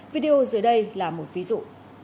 video dưới đây là một ví dụ